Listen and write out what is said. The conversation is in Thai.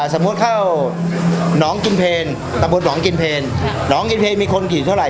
สมมุติเข้าหนองกินเพลตำบลหนองกินเพลหนองกินเพลมีคนขี่เท่าไห